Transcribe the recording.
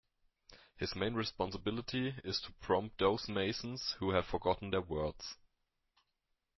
His main responsibility is to prompt those masons who have forgotten their words.